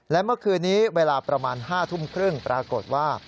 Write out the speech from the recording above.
และเมื่อคืนนี้เวลาประมาณ๕ทุ่มครึ่งปรากฏว่า